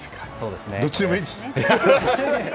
どっちでもいいです！